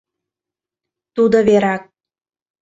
Тудо верак.